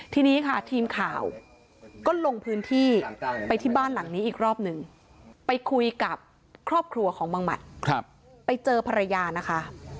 ทีนี้ค่ะทีมข่าวก็ลงพื้นที่ไปที่บ้านหลังนี้อีกรอบหนึ่งไปคุยกับครอบครัวของบังหมัดไปเจอภรรยานะคะ